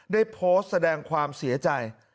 ได้โพสต์แสดงความเสียใจ